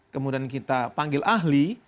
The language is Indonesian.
kemudian kita panggil ahli